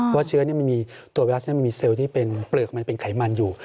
เพราะเชื้อมีเซลล์ที่เป็นเปลือกเป็นไขมันอยู่